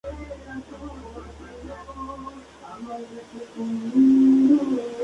Salvador Rivas ha sido Vicerrector de investigación de la Universidad Complutense de Madrid.